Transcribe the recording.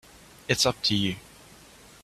It's up to you.